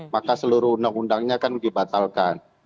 maka seluruh undang undangnya kan dibatalkan